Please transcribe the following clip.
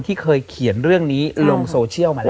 ที่เคยเขียนเรื่องนี้ลงโซเชียลมาแล้ว